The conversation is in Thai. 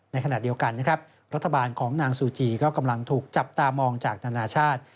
ในขณะเดียวกันนะครับรัฐบาลของนางซูจีก็กำลังถูกจับตามองจากนานาชาติ